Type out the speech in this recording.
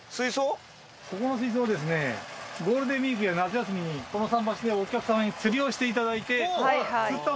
ここの水槽はゴールデンウイークや夏休みにこの桟橋でお客様に釣りをしていただいて。